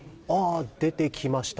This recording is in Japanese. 出てきました。